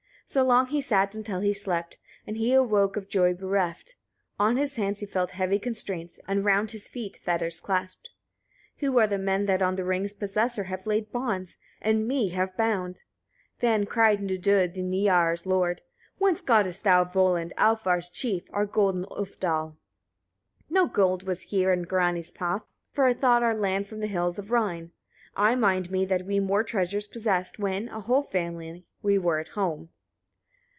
11. So long he sat until he slept; and he awoke of joy bereft: on his hands he felt heavy constraints, and round his feet fetters clasped. 12. "Who are the men that on the rings' possessor have laid bonds? and me have bound?" 13. Then cried Nidud, the Niarars' lord: "Whence gottest thou, Volund! Alfars' chief! our gold, in Ulfdal?" 14. "No gold was here in Grani's path, far I thought our land from the hills of Rhine. I mind me that we more treasures possessed, when, a whole family, we were at home.